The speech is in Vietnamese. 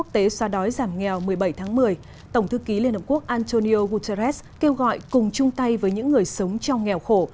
tổng thư ký liên hợp quốc antonio guterres kêu gọi cùng chung tay với những người sống trong nghèo khổ